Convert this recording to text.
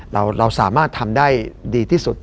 เราสามารถทำได้ดีที่สุด